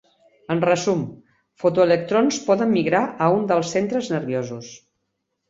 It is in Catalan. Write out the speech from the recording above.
En resum, fotoelectrons poden migrar a un dels centres nerviosos.